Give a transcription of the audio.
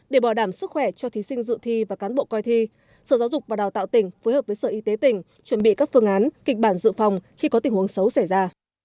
để bảo đảm sức khỏe cho thí sinh dự thi và cán bộ coi thi sở giáo dục và đào tạo tỉnh phối hợp với sở y tế tỉnh chuẩn bị các phương án kịch bản dự phòng khi có tình huống xấu xảy ra